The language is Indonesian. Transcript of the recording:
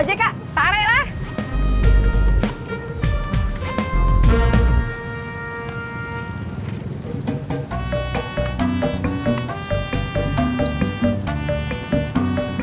oji kak tarik lah